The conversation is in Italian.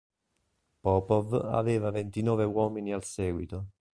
Popov aveva ventinove uomini al seguito.